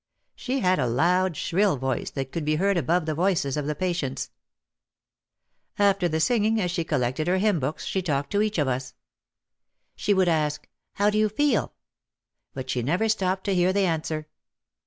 She had a loud, shrill voice that could be heard above the voices of the patients. After the singing as she collected her Hymn Books she talked to each of us. She would OUT OF THE SHADOW 243 ask, "How do you feel?" But she never stopped to hear the answer.